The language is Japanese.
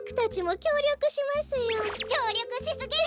きょうりょくしすぎる！